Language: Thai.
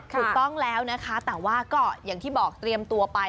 ถูกต้องแล้วนะคะแต่ว่าก็อย่างที่บอกเตรียมตัวไป